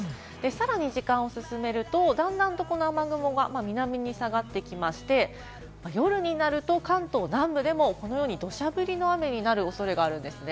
さらに時間を進めると、だんだんとこの雨雲が南に下がってきまして、夜になると関東南部でもこのように土砂降りの雨になる恐れがあるんですね。